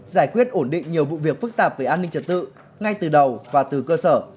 giải quyết ổn định nhiều vụ việc phức tạp về an ninh trật tự ngay từ đầu và từ cơ sở